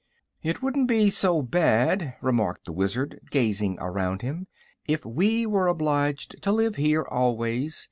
"It wouldn't be so bad," remarked the Wizard, gazing around him, "if we were obliged to live here always.